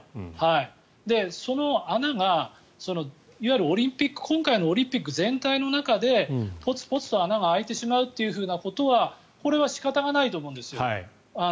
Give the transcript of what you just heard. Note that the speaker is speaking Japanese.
その穴がいわゆる今回のオリンピック全体の中でぽつぽつと穴が開いてしまうということはこれは仕方がないと思うんですよ。